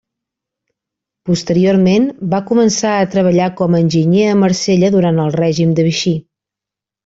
Posteriorment, va començar a treballar com a enginyer a Marsella durant el Règim de Vichy.